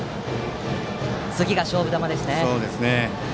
次が勝負球ですね。